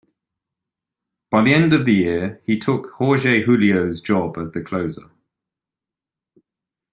By the end of the year, he took Jorge Julio's job as the closer.